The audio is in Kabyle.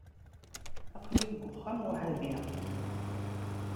Aql-i deg uxxam weḥdi.